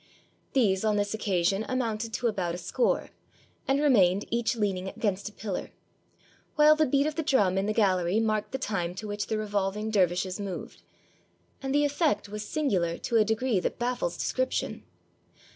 These on this occasion amounted to about a score, and remained each leaning against a pillar: while the beat of the drum in the gallery marked the time to which the revolving der vishes moved, and the effect was singular to a degree that baffles description.